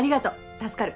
助かる。